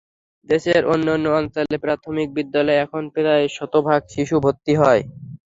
দেশের অন্যান্য অঞ্চলে প্রাথমিক বিদ্যালয়ে এখন প্রায় শতভাগ শিশু ভর্তি হয়।